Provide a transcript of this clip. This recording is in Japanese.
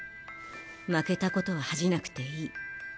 負けたことは恥じなくていい。